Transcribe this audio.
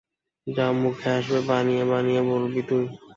যা মুখে আসবে বানিয়ে বানিয়ে বলবি তুই?